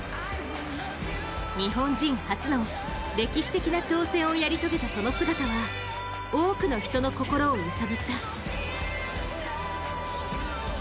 日本人初の歴史的な挑戦をやり遂げたその姿は多くの人の心を揺さぶった。